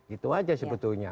itu aja sebetulnya